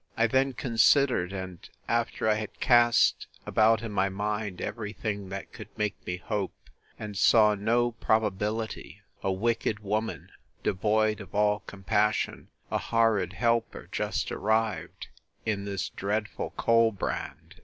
I then considered; and, after I had cast about in my mind every thing that could make me hope, and saw no probability; a wicked woman, devoid of all compassion! a horrid helper, just arrived, in this dreadful Colbrand!